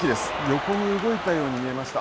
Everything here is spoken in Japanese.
横に動いたように見えました。